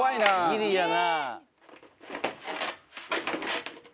「ギリやな」